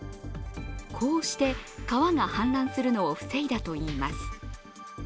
こうして、川が氾濫するのを防いだといいます。